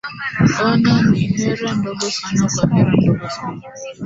ona ni hera ndogo sana kwa hera ndogo sana